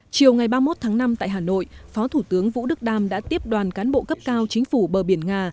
chiều ngày ba mươi một tháng năm tại hà nội phó thủ tướng vũ đức đam đã tiếp đoàn cán bộ cấp cao chính phủ bờ biển nga